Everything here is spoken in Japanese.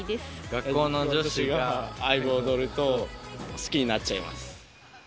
学校の女子がＩＶＥ踊ると、好きになっちゃいます。